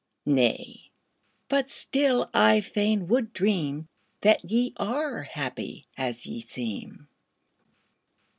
Nay but still I fain would dream That ye are happy as ye seem.